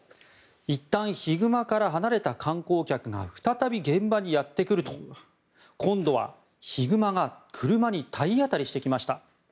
いったんヒグマから離れた観光客が再び現場にやってくると今度はヒグマが車に体当たりしてきました。